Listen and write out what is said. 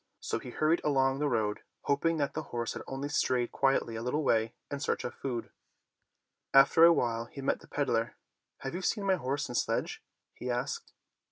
So he hurried along the road hoping that the horse had only strayed quietly a little way in search of food. After a while he met the peddler. ''Have you seen my horse and sledge.^" he asked.